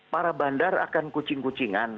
para bandar akan kucing kucingan